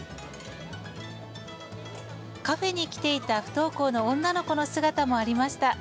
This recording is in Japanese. カフェに来ていた不登校の女の子の姿もありました。